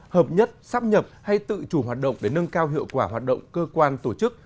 hợp nhất sáp nhập hay tự chủ hoạt động để nâng cao hiệu quả hoạt động cơ quan tổ chức